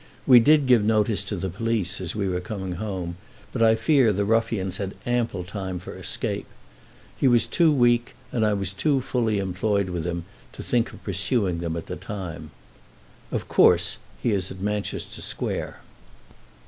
We did give notice to the police as we were coming home, but I fear the ruffians had ample time for escape. He was too weak, and I was too fully employed with him, to think of pursuing them at the time. Of course he is at Manchester Square.